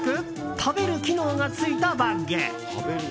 食べる機能がついたバッグ。